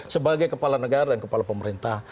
sebagai kepala negara dan kepala pemerintah